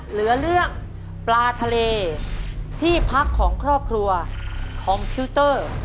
เหลือเรื่องปลาทะเลที่พักของครอบครัวของทิวเตอร์